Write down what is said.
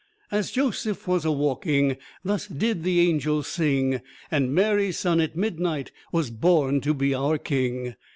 As Joseph was a walking, Thus did the angel sing, And Mary's son at midnight Was born to be our King.